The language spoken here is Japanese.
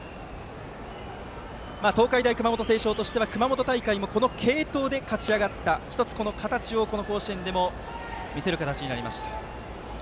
東海大熊本星翔としては熊本大会もこの継投で勝ち上がった１つ、その形をこの甲子園でも見せる形になりました。